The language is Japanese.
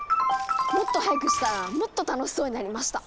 もっと速くしたらもっと楽しそうになりました。